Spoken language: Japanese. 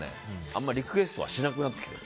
あんまリクエストはしなくなってきてる。